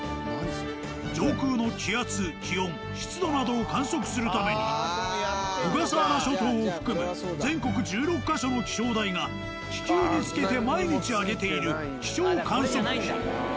上空の気圧気温湿度などを観測するために小笠原諸島を含む全国１６か所の気象台が気球に付けて毎日上げている気象観測器。